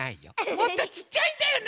もっとちっちゃいんだよね。